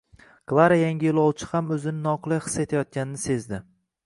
Klara yangi yo’lovchi ham o’zini noqulay his etayotganini sezdi